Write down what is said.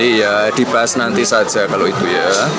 iya dibahas nanti saja kalau itu ya